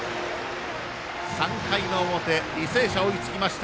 ３回の表、履正社追いつきました。